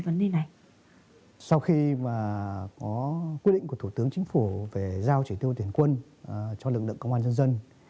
nhưng mà có quyết định của thủ tướng chính phủ về giao chỉ tiêu tuyển quân cho lực lượng công an dân dân